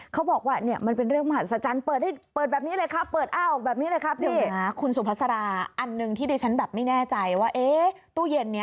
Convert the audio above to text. เขาบอกว่ามันเป็นเรื่องมหัสจันทร์